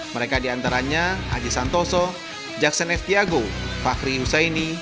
mereka diantaranya haji santoso jackson f tiago fahri usaini